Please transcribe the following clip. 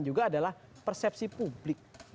juga adalah persepsi publik